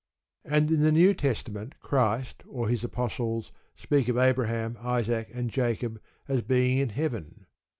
And in the New Testament Christ or His apostles speak of Abraham, Isaac, and Jacob as being in heaven.